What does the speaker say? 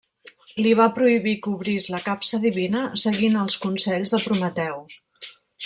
Li va prohibir que obrís la capsa divina seguint els consells de Prometeu.